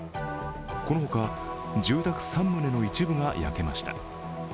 このほか、住宅３棟の一部が焼けました。